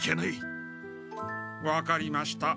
分かりました。